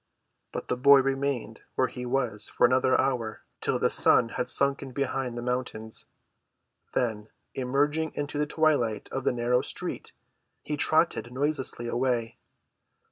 But the boy remained where he was for another hour till the sun had sunken behind the mountains. Then, emerging into the twilight of the narrow street, he trotted noiselessly away.